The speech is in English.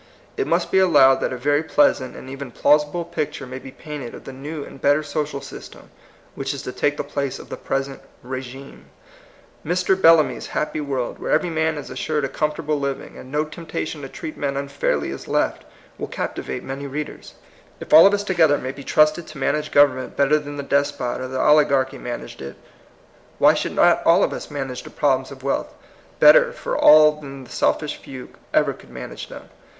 It must be allowed that a very pleas ant and even plausible picture may be painted of the new and better social sys tem which is to take the place of the pres ent rSgime. Mr. Bellamy's happy world, where every man is assured a comfortable living, and no temptation to treat men un fairly is left, will captivate many readers. If all of us together may be trusted to manage government better than the despot or the oligarchy managed it, why should not all of us manage the problems of wealth better for all than the selfish few ever could manage them?